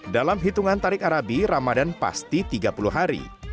dalam hitungan tarikh arabi ramadhan pasti tiga puluh hari